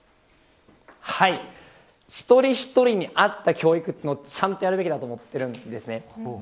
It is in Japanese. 一人一人に合った教育をちゃんとやるべきだと思っています。